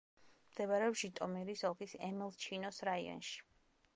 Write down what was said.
მდებარეობს ჟიტომირის ოლქის ემილჩინოს რაიონში.